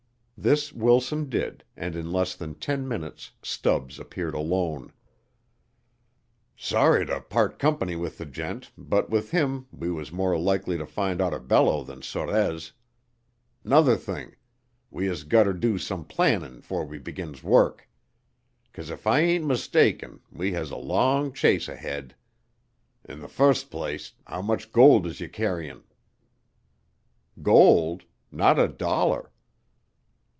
This Wilson did, and in less than ten minutes Stubbs appeared alone. "Sorry ter part comp'ny with the gent, but with him we wuz more likely ter find Oteerballo than Sorez. 'Nother thing, we has gotter do some plannin' 'fore we begins work. 'Cause if I ain't mistaken, we has a long chase ahead. In th' fust place, how much gold is yer carryin'?" "Gold? Not a dollar."